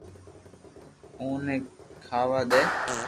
او ني کاوا دي